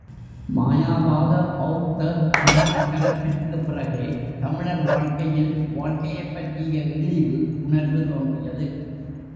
மாயா வாத, பெளத்த, சமணக் கலப்பிற்குப் பிறகே தமிழர் வாழ்க்கையில் வாழ்க்கையைப் பற்றிய இழிவு உணர்வு தோன்றியது.